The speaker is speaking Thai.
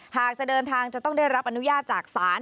หากจะเดินทางจะต้องได้รับอนุญาตจากศาล